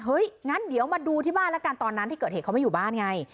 งั้นเดี๋ยวมาดูที่บ้านแล้วกันตอนนั้นที่เกิดเหตุเขาไม่อยู่บ้านไง